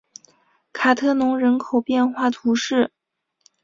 卡特农人口变化图示